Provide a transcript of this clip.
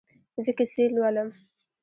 زه کیسې لولم